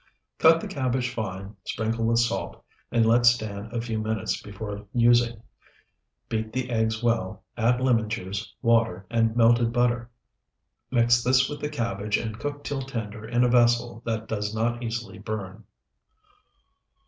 Cut the cabbage fine, sprinkle with salt, and let stand a few minutes before using. Beat the eggs well, add lemon juice, water, and melted butter. Mix this with the cabbage and cook till tender in a vessel that does not easily burn.